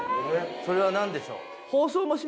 それは何でしょう？